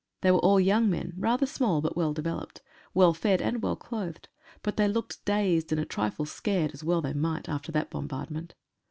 They were all young men, rather small, but well developed — well fed, and well clothed. But they looked dazed and a trifle scared, as well they might, after that bombardment.